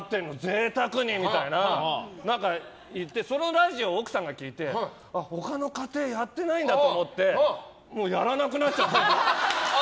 贅沢に！みたいに言ってそのラジオを奥さんが聴いて他の家庭やってないんだと思ってもうやらなくなっちゃった。